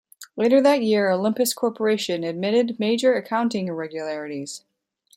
Later that year Olympus Corporation admitted major accounting irregularities.